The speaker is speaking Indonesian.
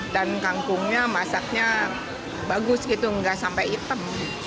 dan kangkungnya masaknya bagus gitu nggak sampai hitam